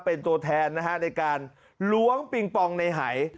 เป็นตัวแทนนะฮะในการล้วงปิงปองในหาย